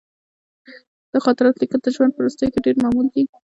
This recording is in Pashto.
د خاطراتو لیکل د ژوند په وروستیو کې ډېر معمول دي.